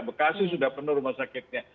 bekasi sudah penuh rumah sakitnya